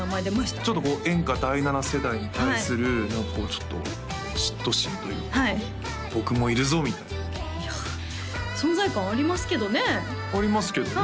ちょっとこう演歌第７世代に対する何かこうちょっと嫉妬心というか僕もいるぞみたいな存在感ありますけどねありますけどね